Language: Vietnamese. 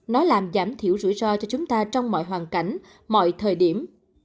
nó làm giảm thiểu rủi ro cho chúng ta trong mọi hoàn cảnh mọi thời điểm